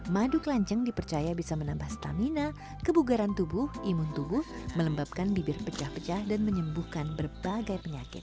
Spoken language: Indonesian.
madu kelanceng dipercaya bisa menambah stamina kebugaran tubuh imun tubuh melembabkan bibir pecah pecah dan menyembuhkan berbagai penyakit